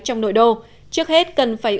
trong nội đô trước hết cần phải